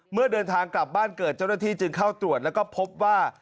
เมื่อเดินทางกลับบ้านเกิดเจ้าหน้าที่จึงเข้าตรวจแล้วก็พบว่า